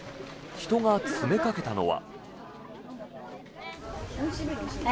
人が詰めかけたのは。